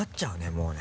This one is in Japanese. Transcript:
もうね。